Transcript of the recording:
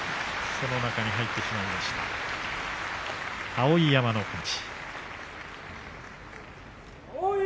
その中に入ってしまいました碧山の勝ち。